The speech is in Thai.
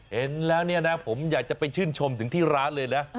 เห็นแล้วเนี่ยนะผมอยากจะไปชื่นชมถึงที่ร้านเลยนะ